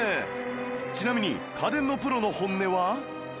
ちなみに家電のプロの本音は？